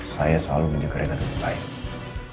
saya selalu menjaga ren lebih baik